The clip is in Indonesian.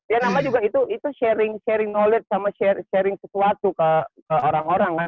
ya nama juga itu sharing sharing knowledge sama sharing sesuatu ke orang orang kan